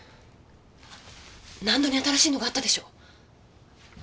納戸に新しいのがあったでしょ。